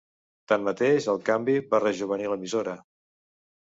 Tanmateix, el canvi va rejovenir l'emissora.